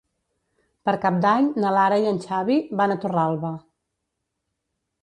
Per Cap d'Any na Lara i en Xavi van a Torralba.